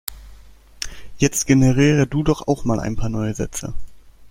Jetzt generiere du doch auch mal ein paar neue Sätze.